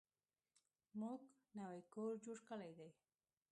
موږ نوی کور جوړ کړی دی.